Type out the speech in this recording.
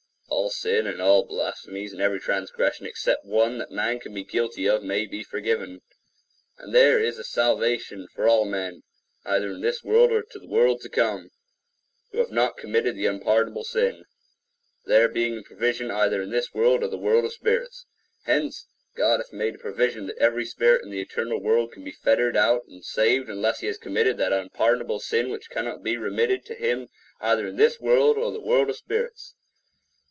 All sin, and all blasphemies, and every transgression, except one, that man can be guilty of, may be forgiven; and there is a salvation for all men, either in this world or the world to come, who have not committed the unpardonable sin, there being a provision either in this world or the world of spirits. Hence God hath made a provision that every spirit in the eternal world can be ferreted out and saved unless he has committed that unpardonable sin which cannot be remitted to him either in this world or the world of spirits.